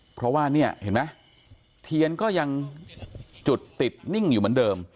เพราะว่าเนี่ยเห็นไหมเทียนก็ยังจุดติดนิ่งอยู่เหมือนเดิม